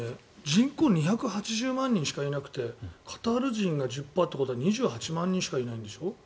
人口２８０万人しかいなくてカタール人が１０％ということは２８万人しかいないんでしょ？